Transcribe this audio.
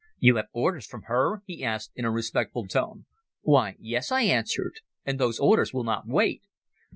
"You have orders from her?" he asked, in a respectful tone. "Why, yes," I answered, "and those orders will not wait."